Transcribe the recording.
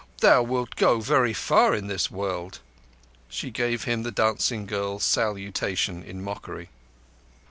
Thou wilt go very far in this world." She gave the dancing girls' salutation in mockery.